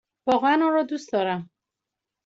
واقعا آن را دوست دارم!